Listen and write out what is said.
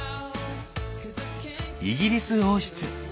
イギリス王室。